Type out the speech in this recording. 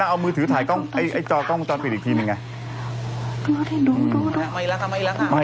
นางเอามือถือถ่ายกล้องกล้องมอบจอนปิดอีกทีมันไง